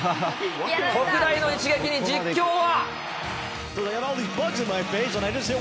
特大の一撃に実況は。